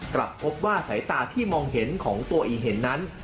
กลับพบว่าสายตาที่มองเห็นของตัวอีเห็นนั้น